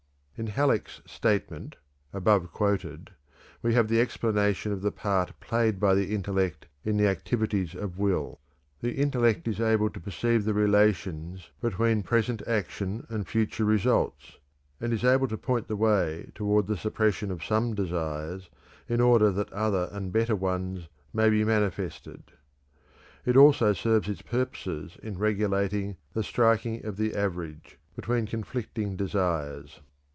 _" In Halleck's statement, above quoted, we have the explanation of the part played by the intellect in the activities of will. The intellect is able to perceive the relations between present action and future results, and is able to point the way toward the suppression of some desires in order that other and better ones may be manifested. It also serves its purposes in regulating the "striking of the average" between conflicting desires.